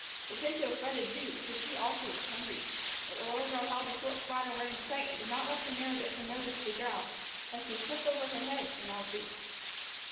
The pinto fretted, too, for she also was hungry. But the little girl held the short bridle reins tight and did not let the mare get her nose to the ground lest they slip over her head and out of reach.